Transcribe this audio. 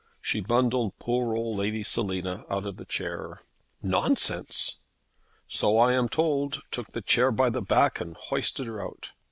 She bundled poor old Lady Selina out of the chair." "Nonsense!" "So I am told; took the chair by the back and hoisted her out."